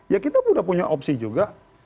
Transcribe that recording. ya kita sudah punya opsi juga